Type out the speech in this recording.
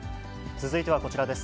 続いてはこちらです。